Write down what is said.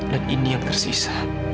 dan ini yang tersisa